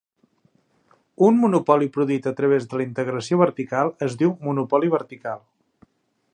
Un monopoli produït a través de la integració vertical es diu monopoli vertical.